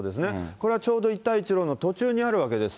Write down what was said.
これはちょうど一帯一路の途中にあるわけです。